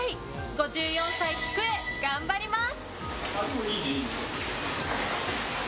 ５４歳、きくえ頑張ります。